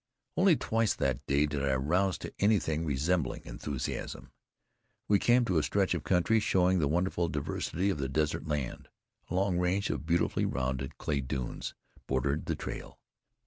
Only twice that day did I rouse to anything resembling enthusiasm. We came to a stretch of country showing the wonderful diversity of the desert land. A long range of beautifully rounded clay stones bordered the trail.